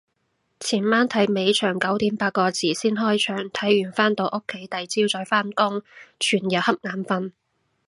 前晚睇尾場九點八個字先開場，睇完返到屋企第朝再返工，全日恰眼瞓